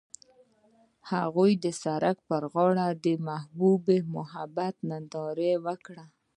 هغوی د سړک پر غاړه د محبوب محبت ننداره وکړه.